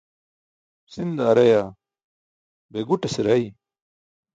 Si̇nda rayaa, bee guṭase ray?